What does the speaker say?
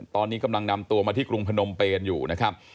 ตอนนี้กำลังนำตัวมาที่กรุงพนมเปนอยู่นะครับ